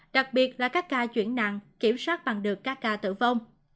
đặc biệt là các ca chuyển nặng kiểm soát bằng được các ca tử vong